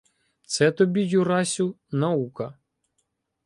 — Це тобі, Юрасю, наука.